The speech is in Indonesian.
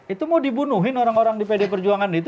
itu mau dibunuhin orang orang di pd perjuangan itu